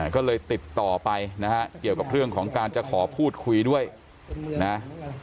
ก็เลยติดต่อไปนะฮะเกี่ยวกับเรื่องของการจะขอพูดคุยด้วยนะ